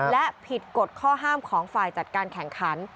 และผิดกฎข้อห้ามของฝ่ายจัดการแข่งขัน